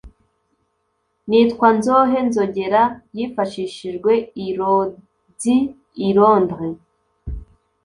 Nitwa Nzohe Nzogera Yifashishijwe I Lloyds I Londres